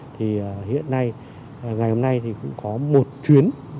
thì hiện nay ngày hôm nay thì cũng có một chuyến